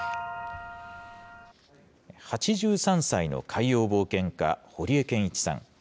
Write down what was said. ８３歳の海洋冒険家、堀江謙一さん。